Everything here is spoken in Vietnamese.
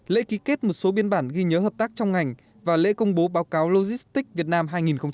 lễ ký kết một số biên bản ghi nhớ hợp tác trong ngành và lễ công bố báo cáo logistics việt nam hai nghìn hai mươi